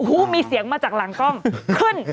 โอ้โหมีเสียงมาจากหลังกล้องขึ้น